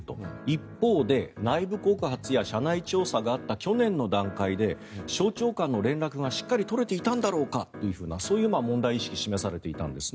一方で内部告発や社内調査があった去年の段階で省庁間の連絡を取れていたんだろうかとそういう問題意識を示されていたんです。